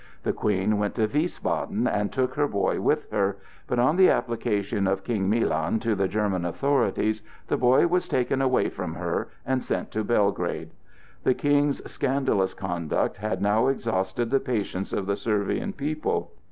The Queen went to Wiesbaden, and took her boy with her; but on the application of King Milan to the German authorities, the boy was taken away from her and sent to Belgrade. The King's scandalous conduct had now exhausted the patience of the Servian people.